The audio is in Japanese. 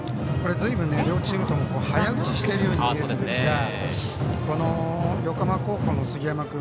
ずいぶん、両チームとも早打ちしているように見えますが横浜高校の杉山君